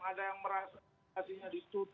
ada yang merasa